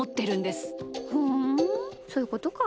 ふんそういうことか。